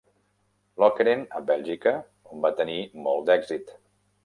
Lokeren, a Bèlgica, on va tenir molt d'èxit.